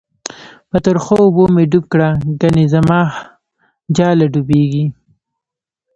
په ترخو اوبو می ډوب کړه، گڼی زماجاله ډوبیږی